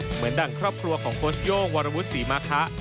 เหมือนดังครอบครัวของโค้ชโย่งวรวุฒิศรีมาคะ